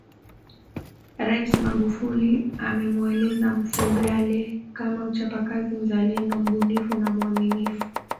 Rais Magufuli amemueleza Mfugale kama mchapakazi mzalendo mbunifu na mwaminifu